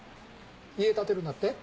家建てるんだって？